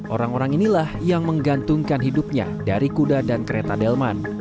orang orang inilah yang menggantungkan hidupnya dari kuda dan kereta delman